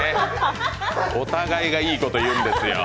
お互いがいいこと言うんですよ！